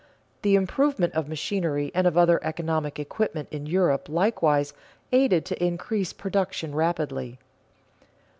The improvement of machinery and of other economic equipment in Europe likewise aided to increase production rapidly.